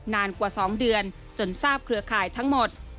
นานกว่า๒เดือนจนทราบเครือข่ายทั้งหมด